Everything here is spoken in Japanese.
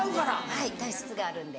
はい体質があるんで。